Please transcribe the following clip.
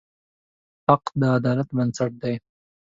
حق د عدالت بنسټ دی.